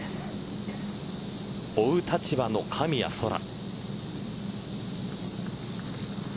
追う立場の神谷そら。